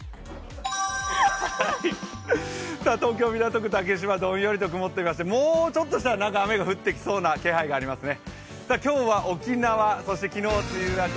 東京・港区竹芝、どんより曇っていまして、もうちょっとしたら、雨が降ってきそうな気配がありますね。